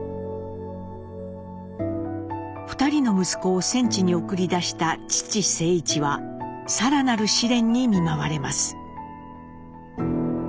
２人の息子を戦地に送り出した父静一は更なる試練に見舞われます。